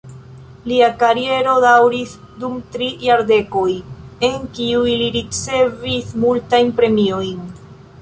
Lia kariero daŭris dum tri jardekoj, en kiuj li ricevis multajn premiojn.